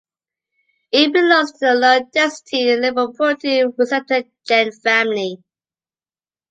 It belongs to the Low density lipoprotein receptor gene family.